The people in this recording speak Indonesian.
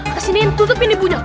kesiniin tutupin ibunya